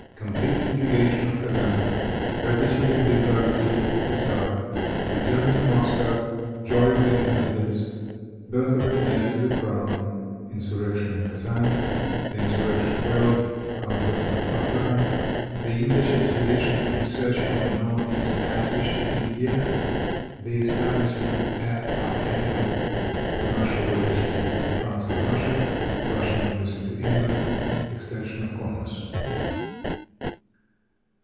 Complete Subjugation of Kezan. Gratitude and Liberality of the Tzar. Return To Moscow. Joy of the inhabitants. Birth of An Heir To the Crown. Insurrection in Kezan. The Insurrection Quelled. Conquest of Astrachan. The English Expedition in Search of a North East Passage to India. The Establishment at Archangel. Commercial Relations Between France and Russia. Russian Embassy to England. Extension of Commerce.